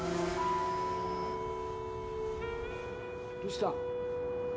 ・どうした？